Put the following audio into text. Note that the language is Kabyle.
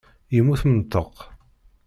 Yemmut menṭeq.